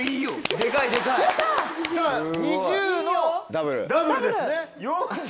２０のダブルですね４０。